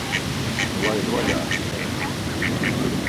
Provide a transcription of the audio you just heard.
Laid vaļā, mērgli!